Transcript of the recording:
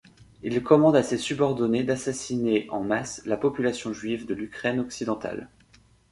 Il commande à ses subordonnés d'assassiner en masse la population juive de l'Ukraine occidentale.